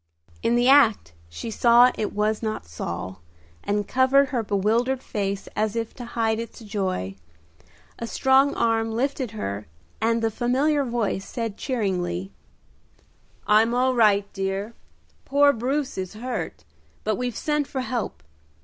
In the act she saw it was not Saul, and covered her bewildered face as if to hide its joy. A strong arm lifted her, and the familiar voice said cheeringly, "I'm all right, dear. Poor Bruce is hurt, but we've sent for help.